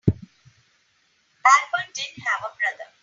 Albert didn't have a brother.